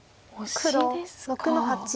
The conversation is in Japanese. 黒６の八。